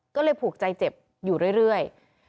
ก็เลยผูกใจเจ็บอยู่เรื่อย